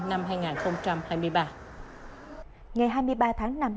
ngày hai mươi ba tháng năm năm hai nghìn hai mươi ba kim bunche đã trở thành một nhà đầu tư